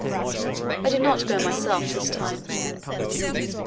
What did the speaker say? I did not go myself this time.